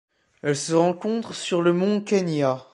Elle se rencontre sur le mont Kenya.